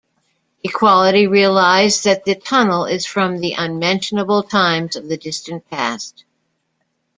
Equality realized that the tunnel is from the Unmentionable Times of the distant past.